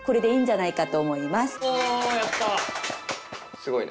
すごいね。